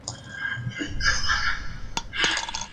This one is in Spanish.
Son normales las nevadas en invierno.